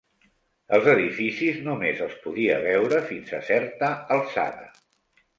Els edificis només els podia veure fins a certa alçada